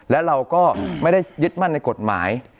และเราก็ไม่ได้ยึดมั่นในกฎหมาย